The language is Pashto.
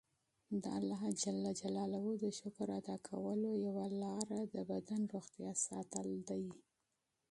د الله ج د شکر ادا کولو یوه لاره د بدن روغتیا ساتل دي.